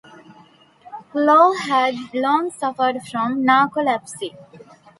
Lowe had long suffered from narcolepsy.